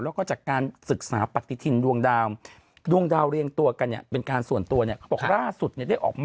แล้วก็จากการศึกษาปฏิทินดวงดาวดวงดาวเรียงตัวกันเนี่ยเป็นการส่วนตัวเนี่ยเขาบอกล่าสุดเนี่ยได้ออกมา